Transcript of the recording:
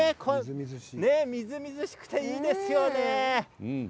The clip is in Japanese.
みずみずしくていいですよね。